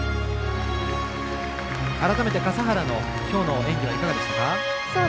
改めて笠原のきょうの演技はいかがでしたか？